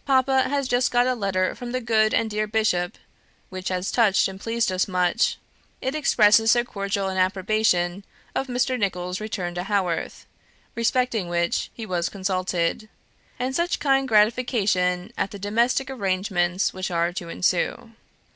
... Papa has just got a letter from the good and dear bishop, which has touched and pleased us much; it expresses so cordial an approbation of Mr. Nicholls' return to Haworth (respecting which he was consulted), and such kind gratification at the domestic arrangements which are to ensue.